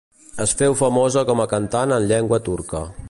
Es féu famosa com a cantant en llengua turca.